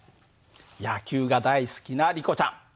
野球が大好きなリコちゃん。